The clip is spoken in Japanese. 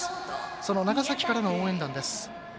その長崎からの応援団です。